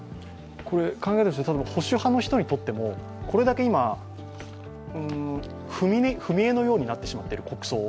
考え方として、保守派の人にとっても、これだけ踏み絵のようになってしまっている国葬。